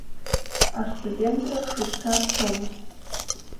Астудентра шықәса цомызт…